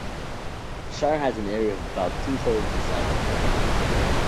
The Shire has an area of -about two-thirds the size of Tasmania.